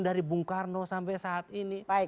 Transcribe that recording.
dari bung karno sampai saat ini